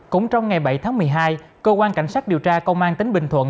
cũng trong ngày bảy tháng một mươi hai cơ quan cảnh sát điều tra công an tỉnh bình thuận